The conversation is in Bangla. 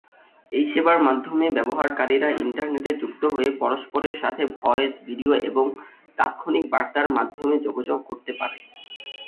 এই সেবার মাধ্যমে ব্যবহারকারীরা ইন্টারনেটে যুক্ত হয়ে পরস্পরের সাথে ভয়েস, ভিডিও এবং তাৎক্ষণিক বার্তার মাধ্যমে যোগাযোগ করতে পারে।